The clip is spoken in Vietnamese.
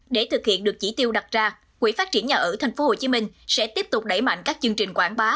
để thực hiện được chỉ tiêu đặt ra quỹ phát triển nhà ở tp hcm sẽ tiếp tục đẩy mạnh các chương trình quảng bá